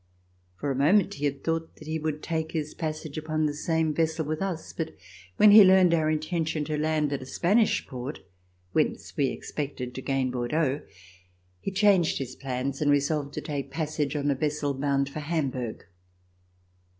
P^or a moment he had thought that he would take his passage upon the same vessel with us, but when he learned our intention to land at a Spanish port, whence we expected to gain Bordeaux, he changed his plans and resolved to take passage on a vessel bound for Hamburg.